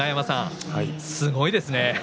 すごいですね。